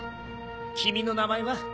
君の名前は？